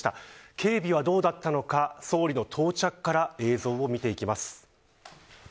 警備はどうだったのか総理の到着から映像を見ていきます。